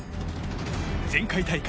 前回大会